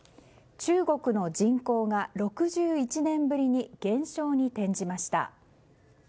中国の人口が６１年ぶりに減少に転じました。